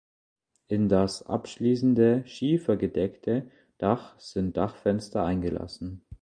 In das abschließende schiefergedeckte Dach sind Dachfenster eingelassen.